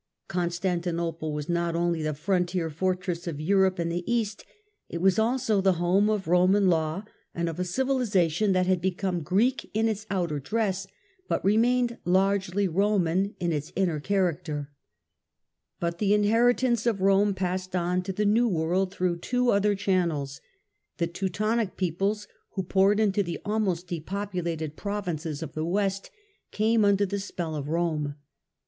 Constantinople was not only the frontier fortress of Europe in the East, it was also the home of Eoman law and of a civilisation that had become Greek in its outer dress, but remained largely Eoman in its inner character, influence But the inheritance of Rome passed on to the new Teutonic world through two other channels. The Teutonic peoples peoples who poured into the almost depopulated pro vinces of the west came under the spell of Rome.